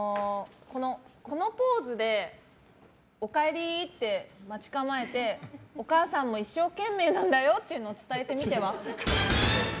このポーズでおかえり！って待ち構えてお母さんも一生懸命なんだよっていうのを伝えてみては？